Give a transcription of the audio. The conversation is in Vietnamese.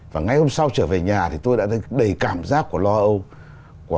và ngay hôm sau trở về nhà thì tôi đã thấy đầy cảm giác của lo âu